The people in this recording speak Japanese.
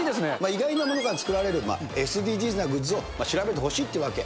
意外なものから作られるＳＤＧｓなグッズを調べてほしいってわけ。